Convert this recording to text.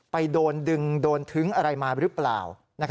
ไปโดนดึงโดนทึ้งอะไรมาหรือเปล่า